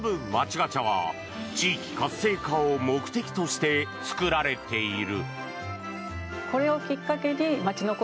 ガチャは地域活性化を目的として作られている。